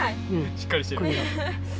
しっかりしてる。